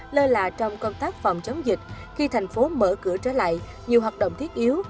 lơ là trong công tác phòng chống dịch khi thành phố mở cửa trở lại nhiều hoạt động thiết yếu